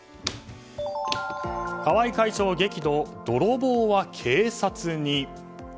川合会長激怒泥棒は警察に。